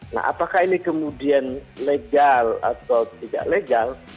nah apakah ini kemudian legal atau tidak legal